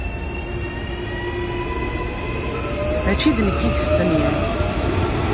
Mačči d nekk i yestenyan.